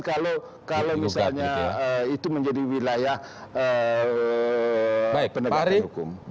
kalau misalnya itu menjadi wilayah penegakan hukum